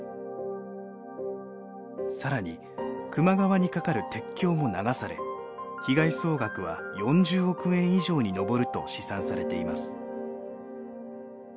更に球磨川に架かる鉄橋も流され被害総額は４０億円以上に上ると試算されています。